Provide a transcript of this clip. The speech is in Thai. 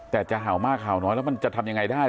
แต่จะเห่ามากเห่าน้อยแล้วมันจะทำยังไงได้